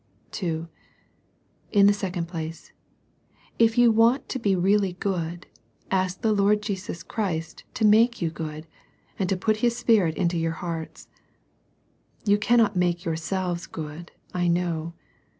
(2) In the second place, if you want to be really good, ask the Lord Jesus Christ to make you good, and to put His Spirit into your hearts. You cannot make yourselves good, I know.